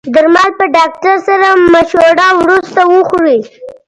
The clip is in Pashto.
درمل په ډاکټر سره مشوره وروسته وخورئ.